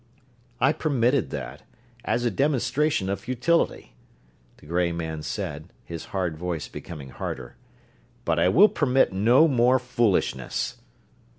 "I permitted that, as a demonstration of futility," the gray man said, his hard voice becoming harder, "but I will permit no more foolishness.